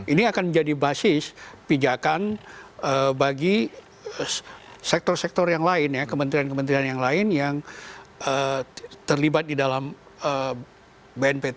ini akan menjadi basis pijakan bagi sektor sektor yang lain ya kementerian kementerian yang lain yang terlibat di dalam bnpt